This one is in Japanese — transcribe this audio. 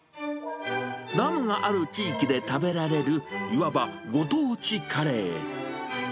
ダムがある地域で食べられるいわばご当地カレー。